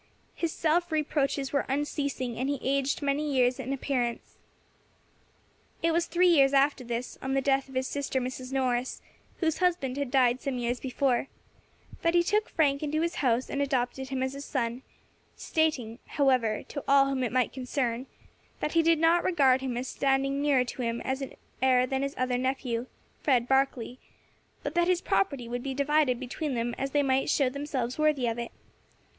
His self reproaches were unceasing, and he aged many years in appearance. It was three years after this, on the death of his sister, Mrs. Norris, whose husband had died some years before, that he took Frank into his house and adopted him as his son, stating, however, to all whom it might concern, that he did not regard him as standing nearer to him as his heir than his other nephew, Fred Barkley, but that his property would be divided between them as they might show themselves worthy of it.